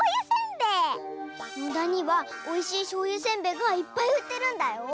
野田にはおいしいしょうゆせんべいがいっぱいうってるんだよ。